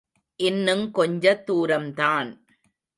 இன்னுங் கொஞ்ச தூரம்தான்.